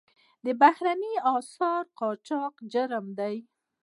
د بهرنیو اسعارو قاچاق جرم دی